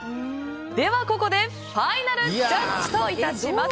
では、ここでファイナルジャッジといたします。